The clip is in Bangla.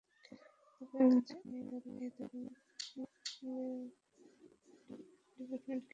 তবে আমি জানি না এই ধরণের পদক্ষেপ নেওয়াটাকে ডিপার্টমেন্ট কীভাবে নেবে।